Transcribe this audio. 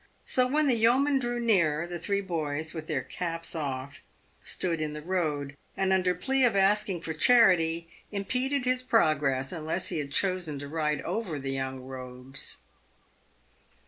So when the yeoman drew near, the three boys, with their caps off, stood in the road, and under plea of asking for charity, im peded his progress, unless he had chosen to ride oyer the young rogues.